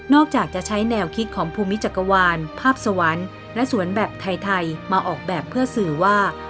อกจากจะใช้แนวคิดของภูมิจักรวาลภาพสวรรค์และสวนแบบไทยมาออกแบบเพื่อสื่อว่า